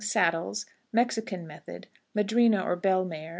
Saddles. Mexican Method. Madrina, or Bell mare.